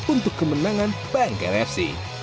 dua satu untuk kemenangan bayangkara fc